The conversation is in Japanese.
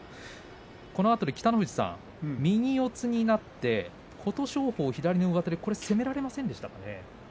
この辺り、北の富士さん右四つになって、琴勝峰左の上手で攻められませんでしたかね。